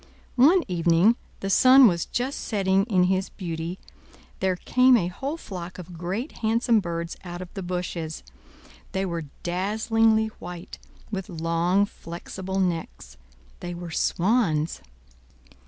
One evening—the sun was just setting in his beauty—there came a whole flock of great, handsome birds out of the bushes; they were dazzlingly white, with long, flexible necks; they were swans.